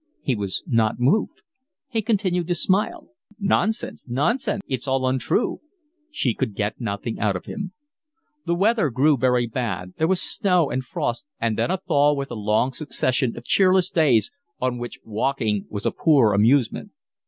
He was not moved. He continued to smile. "Nonsense! Nonsense! It's all untrue." She could get nothing out of him. The weather grew very bad; there was snow and frost, and then a thaw with a long succession of cheerless days, on which walking was a poor amusement.